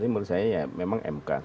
menurut saya ya memang mk